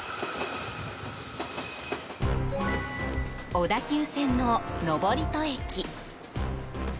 小田急線の登戸駅。